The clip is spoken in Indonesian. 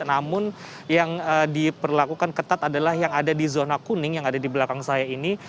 namun yang diperlakukan ketat adalah yang ada di zona kuning yang ada di belakang saya ini